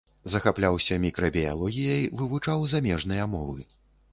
Захапляўся мікрабіялогіяй, вывучаў замежныя мовы.